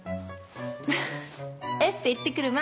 エステ行ってくるわ！